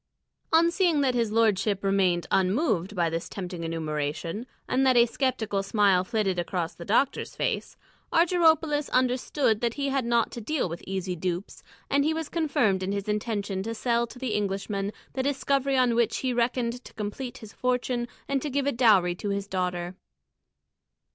On seeing that his lordship remained unmoved by this tempting enumeration, and that a sceptical smile flitted across the doctor's face, Argyropoulos understood that he had not to deal with easy dupes, and he was confirmed in his intention to sell to the Englishman the discovery on which he reckoned to complete his fortune and to give a dowry to his daughter.